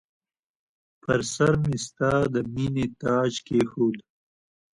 پر سرمې ستا د مییني تاج کښېښود